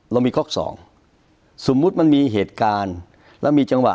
เรามีก๊อกสองสมมุติมันมีเหตุการณ์แล้วมีจังหวะ